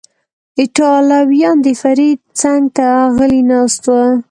ایټالویان، د فرید څنګ ته غلی ناست و.